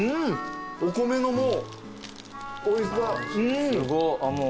お米のもうおいしさ。